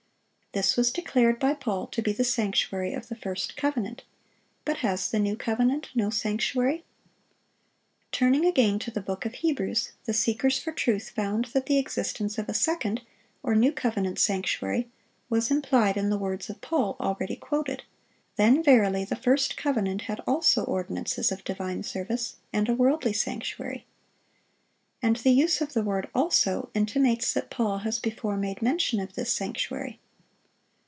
This was declared by Paul to be the sanctuary of the first covenant. But has the new covenant no sanctuary? Turning again to the book of Hebrews, the seekers for truth found that the existence of a second, or new covenant sanctuary, was implied in the words of Paul already quoted: "Then verily the first covenant had also ordinances of divine service, and a worldly sanctuary." And the use of the word "also" intimates that Paul has before made mention of this sanctuary.